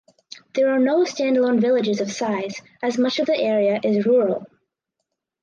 There are no standalone villages of size as much of the area is rural.